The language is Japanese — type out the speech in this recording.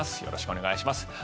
よろしくお願いします。